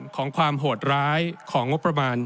ของความโหดร้ายของงบประมาณ